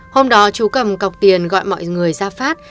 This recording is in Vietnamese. hôm đó chú cầm cọc tiền gọi mọi người ra phát